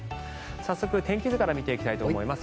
早速、天気図から見ていきたいと思います。